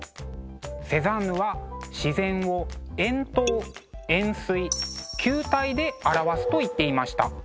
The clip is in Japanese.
セザンヌは自然を円筒円すい球体で表すと言っていました。